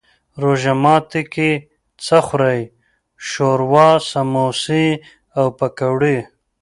روژه ماتی کی څه خورئ؟ شوروا، سموسي او پکوړي